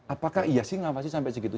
apakah iya sih ngawasi sampai segitu